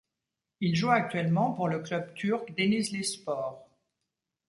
Il joue actuellement pour le club turc Denizlispor.